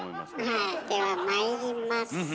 はいではまいります。